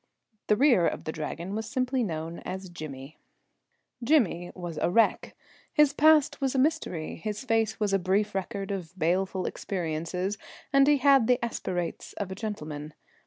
The rear of the Dragon was simply known as Jimmy. Jimmy was a wreck. His past was a mystery. His face was a brief record of baleful experiences, and he had the aspirates of a gentleman.